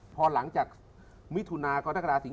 พอหลังจากมิถุนากรกฎาสิงค